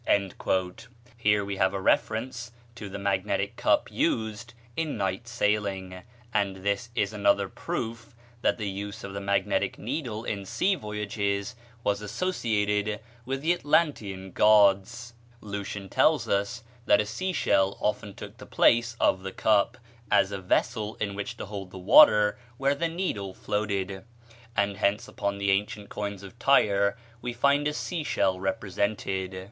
Here we seem to have a reference to the magnetic cup used in night sailing; and this is another proof that the use of the magnetic needle in sea voyages was associated with the Atlantean gods. ANCIENT COINS OF TYRE Lucian tells us that a sea shell often took the place of the cup, as a vessel in which to hold the water where the needle floated, and hence upon the ancient coins of Tyre we find a sea shell represented.